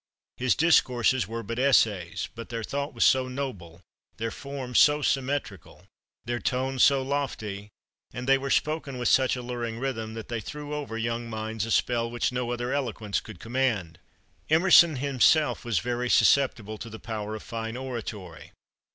His discourses were but essays, but their thought was so noble, their form so symmetrical, their tone so lofty, and they were spoken with such alluring rhythm, that they threw over young minds a spell which no other eloquence could command. Emerson himself was very susceptible to the power of fine oratory.